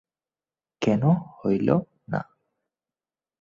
কেন হইল না।